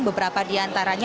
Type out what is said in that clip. beberapa di antaranya